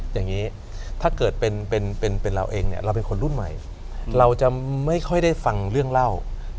อย่างนี้ถ้าเกิดเป็นเราเองเนี่ยเราเป็นคนรุ่นใหม่เราจะไม่ค่อยได้ฟังเรื่องเล่า